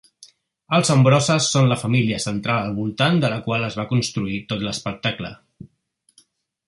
Els Ambroses són la família central al voltant de la qual es va construir tot l'espectacle.